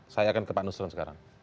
saya akan ke pak nusron sekarang